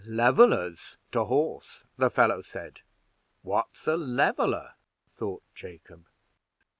'Levelers, to horse!' the fellow said. What's a Leveler?" thought Jacob.